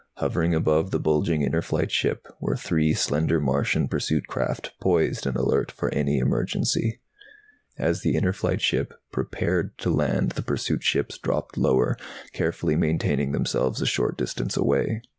Hovering above the bulging Inner Flight ship were three slender Martian pursuit craft, poised and alert for any emergency. As the Inner Flight ship prepared to land the pursuit ships dropped lower, carefully maintaining themselves a short distance away.